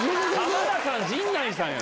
浜田さん陣内さんや。